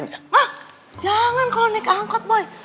pak jangan kalau naik angkot boy